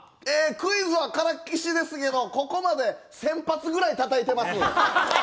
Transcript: クイズはからきしですけどここまで１０００発ぐらいたたいてます。